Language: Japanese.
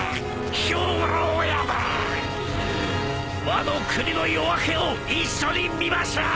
ワノ国の夜明けを一緒に見ましょう！